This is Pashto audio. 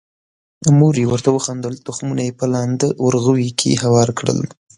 مور یې ورته وخندل، تخمونه یې په لانده ورغوي کې هوار کړل.